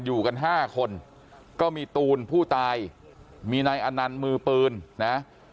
อยู่กัน๕คนก็มีตูนผู้ตายมีนายอนันต์มือปืนนะ